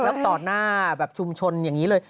แล้วก็ต่อหน้าแบบชุมชนอย่างนี้เลย